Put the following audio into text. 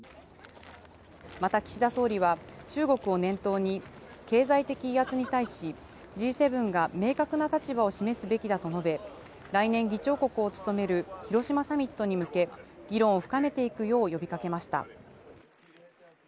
また岸田総理は、中国を念頭に経済的威圧に対し、Ｇ７が明確な立場を示すべきだと述べ、来年議長国を務める広島サミットに向け、議論を深めていくよう呼びかけました。